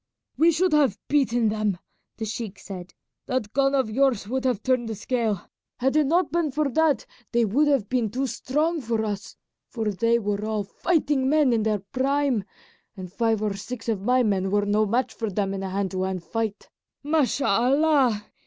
"We should have beaten them," the sheik said. "That gun of yours would have turned the scale. Had it not been for that they would have been too strong for us, for they were all fighting men in their prime, and five or six of my men were no match for them in a hand to hand fight. Mashallah!